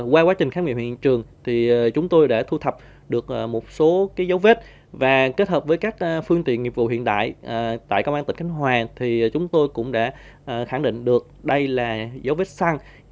qua quá trình khám nghiệm hiện trường chúng tôi đã thu thập được một số dấu vết và kết hợp với các phương tiện nghiệp vụ hiện đại tại công an tỉnh khánh hòa thì chúng tôi cũng đã khẳng định được đây là dấu vết xăng